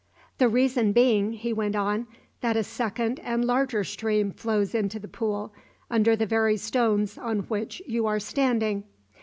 "The reason being," he went on, "that a second and larger stream flows into the pool under the very stones on which you are standing.